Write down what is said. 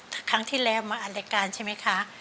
แต่ครั้งที่แล้วมาอ่านรายการใช่ไหมคะ